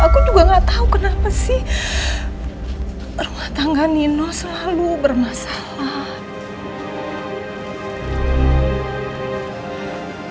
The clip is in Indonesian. aku juga gak tahu kenapa sih rumah tangga nino selalu bermasalah